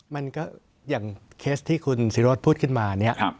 มันก็อย่างเคสที่คุณศิโรธพูดขึ้นมาเนี่ย